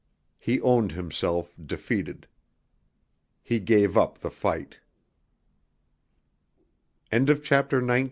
He owned himself defeated. He gave up the fight. CHAPTER XX.